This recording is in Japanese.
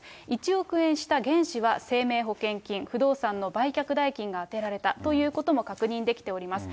１億円した原資は生命保険金、不動産の売却代金が充てられたということも確認できております。